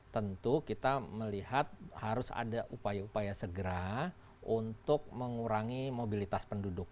tentu kita melihat harus ada upaya upaya segera untuk mengurangi mobilitas penduduk